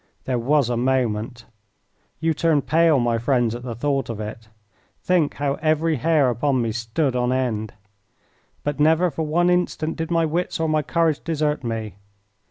There was a moment! You turn pale, my friends, at the thought of it. Think how every hair upon me stood on end. But never for one instant did my wits or my courage desert me.